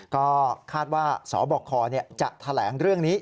ก็คาดว่าสบคจะแถลงเรื่องนี้